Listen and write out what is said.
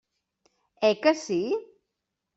Eh que sí?